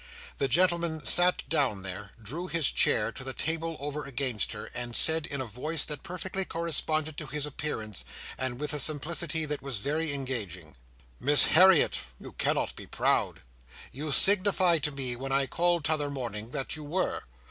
The gentleman sat down there, drew his chair to the table over against her, and said, in a voice that perfectly corresponded to his appearance, and with a simplicity that was very engaging: "Miss Harriet, you cannot be proud. You signified to me, when I called t'other morning, that you were.